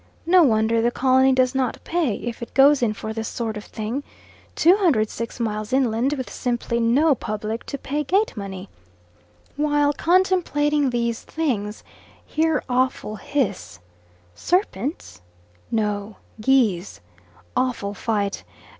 No wonder the colony does not pay, if it goes in for this sort of thing, 206 miles inland, with simply no public to pay gate money. While contemplating these things, hear awful hiss. Serpents! No, geese. Awful fight.